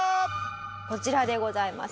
こちらでございます。